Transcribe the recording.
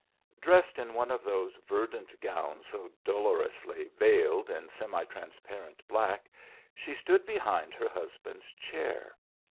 Dressed in one of those verdant gowns, so dolorously veiled in semi transparent black, she stood behind her husband's chair.